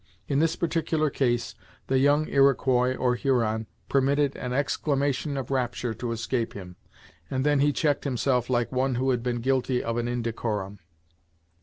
In this particular case, the young Iroquois or Huron permitted an exclamation of rapture to escape him, and then he checked himself like one who had been guilty of an indecorum.